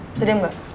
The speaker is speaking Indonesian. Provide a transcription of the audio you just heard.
bisa diem gak